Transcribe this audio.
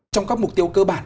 trong các mục tiêu cơ bản